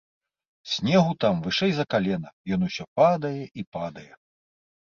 Снегу там вышэй за калена, ён усё падае і падае.